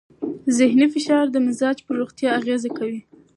ذهنې فشار د مزاج پر روغتیا اغېز کوي.